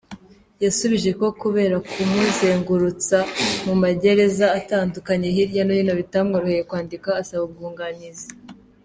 Yasubije ko kubera kumuzengurutsa mu magereza atandukanye hirya no hino bitamworoheye kwandika asaba ubwunganizi.